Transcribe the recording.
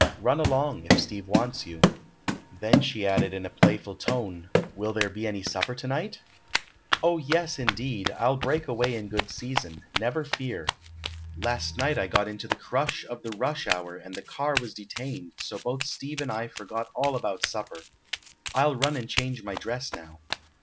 Run along, if Steve wants you." Then she added, in a playful tone: "Will there be any supper to night?" "Oh, yes, indeed! I'll break away in good season, never fear. Last night I got into the crush of the 'rush hour,' and the car was detained, so both Steve and I forgot all about supper. I'll run and change my dress now."